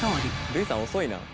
ルイさん遅いな。